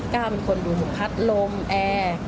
ก้าวเป็นคนดูพัดลมแอร์